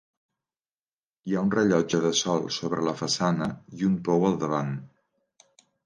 Hi ha un rellotge de sol sobre la façana i un pou al davant.